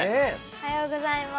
おはようございます。